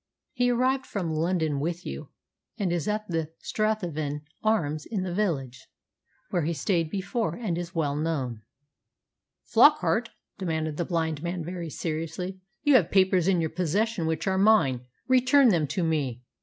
He arrived from London with you, and is at the 'Strathavon Arms' in the village, where he stayed before, and is well known." "Flockart," demanded the blind man very seriously, "you have papers in your possession which are mine. Return them to me."